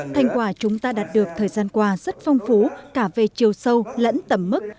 thành quả chúng ta đạt được thời gian qua rất phong phú cả về chiều sâu lẫn tầm mức